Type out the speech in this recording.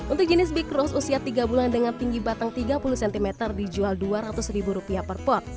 untuk jenis bikross usia tiga bulan dengan tinggi batang tiga puluh cm dijual dua ratus ribu rupiah per pot